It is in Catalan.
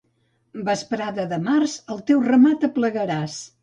Vesprada de març, el teu ramat aplegaràs.